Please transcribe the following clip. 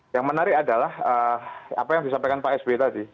yang menarik adalah apa yang disampaikan pak sby tadi